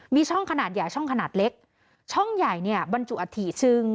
มีช่องขนาดใหญ่ช่องขนาดเล็กช่องใหญ่เนี่ยบรรจุอัฐิซึ่ง